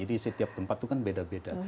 jadi setiap tempat itu kan beda beda